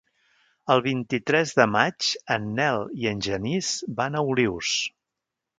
El vint-i-tres de maig en Nel i en Genís van a Olius.